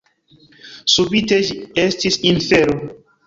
Subite ĝi estis infero.